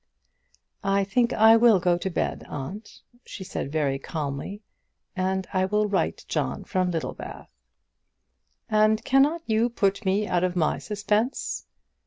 "I think I will go to bed, aunt," she said very calmly, "and I will write to John from Littlebath." "And cannot you put me out of my suspense?"